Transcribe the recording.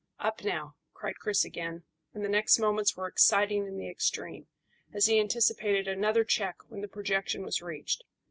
"Up now," cried Chris again, and the next moments were exciting in the extreme, as he anticipated another check when the projection was reached.